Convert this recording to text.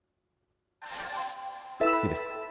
次です。